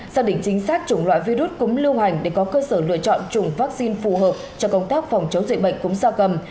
xác định chính xác chủng loại virus cúm lưu hành để có cơ sở lựa chọn chủng vaccine phù hợp cho công tác phòng chống dịch bệnh cúng gia cầm